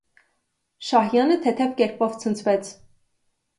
Շահյանը թեթև կերպով ցնցվեց: